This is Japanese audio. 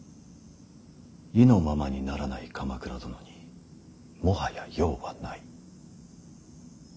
意のままにならない鎌倉殿にもはや用はない。